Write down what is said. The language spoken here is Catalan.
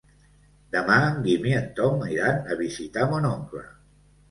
Demà en Guim i en Tom iran a visitar mon oncle.